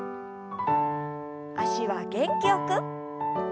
脚は元気よく。